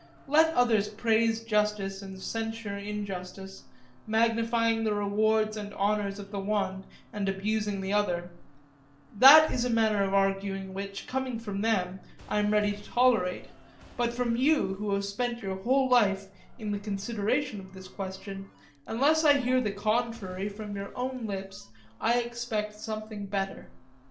Let others praise justice and censure injustice, magnifying the rewards and honours of the one and abusing the other; that is a manner of arguing which, coming from them, I am ready to tolerate, but from you who have spent your whole life in the consideration of this question, unless I hear the contrary from your own lips, I expect something better.